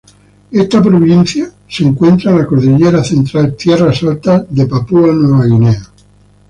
Esta provincia se encuentra en la Cordillera Central tierras altas de Papúa Nueva Guinea.